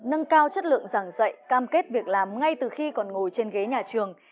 nâng cao chất lượng giảng dạy cam kết việc làm ngay từ khi còn ngồi trên ghế nhà trường